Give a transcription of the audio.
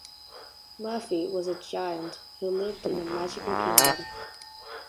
Murphy was a giant who lived in a magical kingdom.